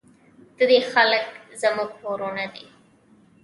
د دې خلک زموږ ورونه دي؟